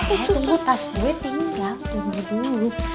eh tunggu tas gue tinggal tunggu dulu